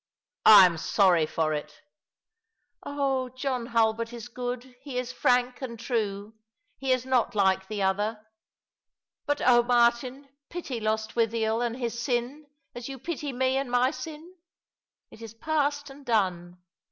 " I am sorry for it." *' Oh, John Hulbert is good ; he is frank and true. He is not like the other. But oh, Martin, pity Lostwithiel and his sin, as you pity me and my sin ! It is past and done.